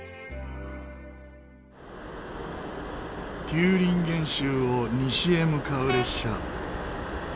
テューリンゲン州を西へ向かう列車。